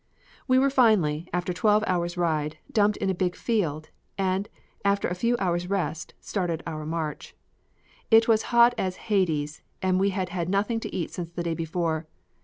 We were finally, after twelve hours' ride, dumped in a big field and after a few hours' rest started our march. It was hot as Hades and we had had nothing to eat since the day before.